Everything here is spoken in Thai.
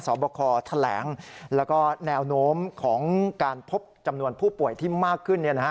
บคแถลงแล้วก็แนวโน้มของการพบจำนวนผู้ป่วยที่มากขึ้น